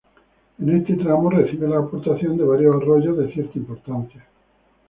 En este tramo, recibe la aportación de varios arroyos de cierta importancia.